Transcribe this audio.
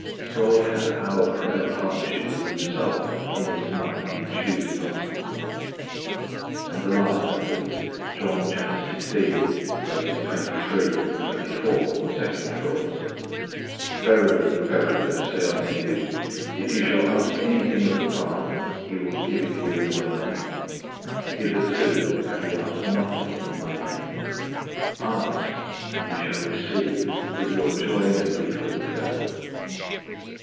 God had our prayer partnership with Himself in His mind in choosing us. And the last of these, John 16:23, 24, second clause, "Verily, verily, I say unto you, if ye shall ask anything of the Father, He will give it you in My name. Hitherto have ye asked nothing in My name: ask, and ye shall receive, that your joy may be fulfilled."